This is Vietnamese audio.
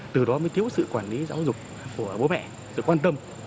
từ đó mới thiếu sự quản lý giáo dục của bố mẹ sự quan tâm